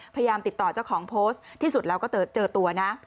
พยายามติดต่อเจ้าของโพสต์ที่สุดแล้วก็เจอตัวนะ